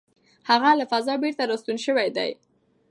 هغه له فضا بېرته راستون شوی دی.